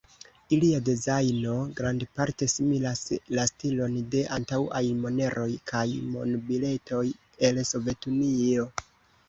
Ilia dezajno grandparte similas la stilon de antaŭaj moneroj kaj monbiletoj el Sovetunio.